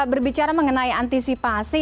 berbicara mengenai antisipasi